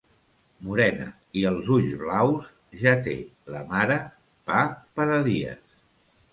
Morena i els ulls blaus, ja té la mare pa per a dies.